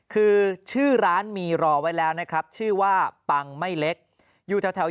คือชื่อร้านมีรอไว้แล้วนะครับชื่อว่าปังไม่เล็กอยู่แถว